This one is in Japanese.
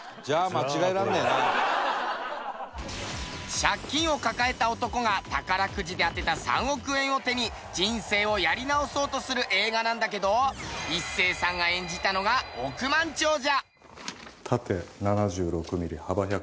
借金を抱えた男が宝くじで当てた３億円を手に人生をやり直そうとする映画なんだけど一生さんが演じたのが億万長者。